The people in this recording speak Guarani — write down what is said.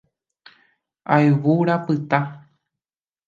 Ayvu rapyta.